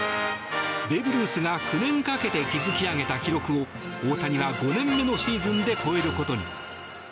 ベーブ・ルースが９年かけて築き上げた記録を大谷は５年目のシーズンで超えることに。